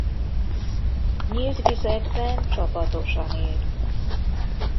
Nyílt vizekben csapatosan él.